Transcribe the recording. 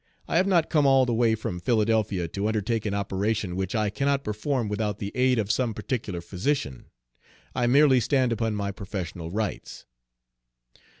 "I have not come all the way from Philadelphia to undertake an operation which I cannot perform without the aid of some particular physician. I merely stand upon my professional rights."